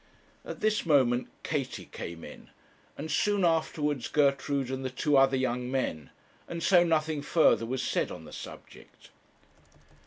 At this moment Katie came in, and soon afterwards Gertrude and the two other young men, and so nothing further was said on the subject.